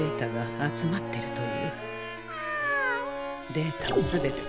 データを全て。